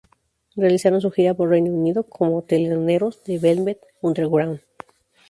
Realizaron su gira por Reino Unido como teloneros de Velvet Underground.